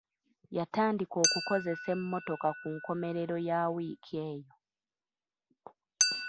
Yatandika okukozesa emmotoka ku nkomerero ya wiiki eyo.